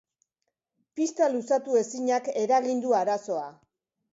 Pista luzatu ezinak eragin du arazoa.